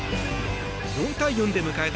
４対４で迎えた